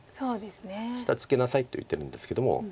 「下ツケなさい」と言ってるんですけども。